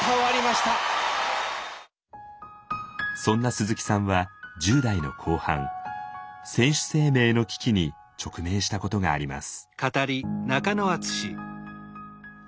そんな鈴木さんは１０代の後半選手生命の危機に直面したことがあります。